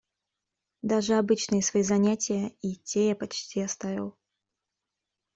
Даже обычные свои занятия — и те я почти оставил.